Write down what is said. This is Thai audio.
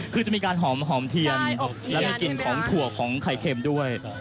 คือจะมีการหอมเทียนและมีกลิ่นของถั่วของไข่เค็มด้วย